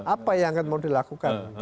apa yang akan mau dilakukan